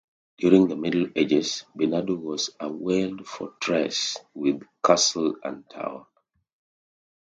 During the Middle Ages, Bernedo was a walled fortress with castle and tower.